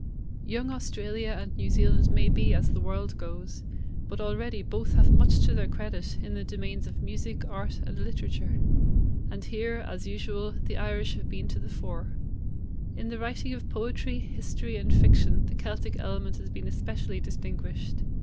Young Australia and New Zealand may be as the world goes, but already both have much to their credit in the domains of music, art, and literature; and here, as usual, the Irish have been to the fore. In the writing of poetry, history, and fiction the Celtic element has been especially distinguished.